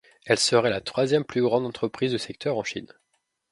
Elle serait la troisième plus grande entreprise du secteur en Chine.